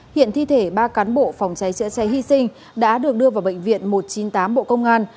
hiện thi thể ba cán bộ phòng cháy chữa cháy hy sinh đã được đưa vào bệnh viện một trăm chín mươi tám bộ công an